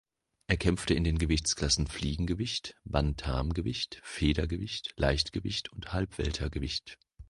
Er kämpfte in den Gewichtsklassen Fliegengewicht, Bantamgewicht, Federgewicht, Leichtgewicht und Halbweltergewicht.